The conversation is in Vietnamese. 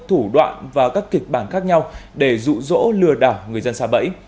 thủ đoạn và các kịch bản khác nhau để rụ rỗ lừa đảo người dân xa bẫy